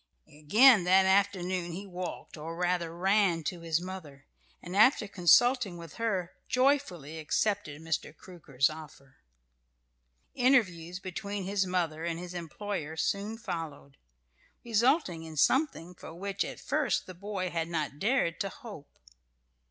Again that afternoon he walked or rather, ran to his mother, and after consulting with her, joyfully accepted Mr. Crooker's offer. Interviews between his mother and his employer soon followed, resulting in something for which at first the boy had not dared to hope.